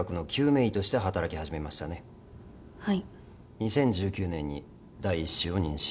２０１９年に第１子を妊娠された。